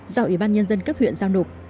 do ủy ban nhân dân cấp huyện giao nộp